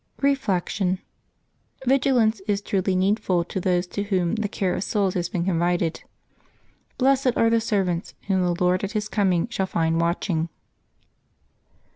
Reflection. — Vigilance is truly needful to those to whom the care of souls has been confided. " Blessed are the ser vants whom the Lord at His coming shall find watching.''